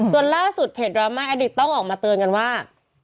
จนล่าสุดเพจดราม่าอดิตต้องออกมาเตือนกันว่า